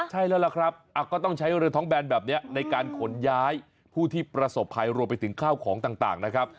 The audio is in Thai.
ใช่แล้วล่ะครับก็ต้องใช้เรือท้องแบนแบบนี้ในการขนย้ายผู้ที่ประสบภัยรวมไปถึงข้าวของต่างนะครับ